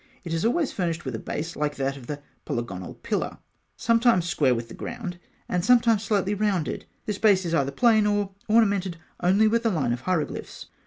It is always furnished with a base like that of the polygonal pillar, sometimes square with the ground, and sometimes slightly rounded. This base is either plain, or ornamented only with a line of hieroglyphs.